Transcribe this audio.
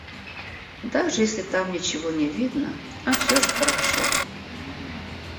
Даже если там ничего не видно, а всё же хорошо.